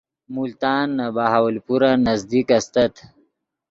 ملتان نے بہاولپورن نزدیک استت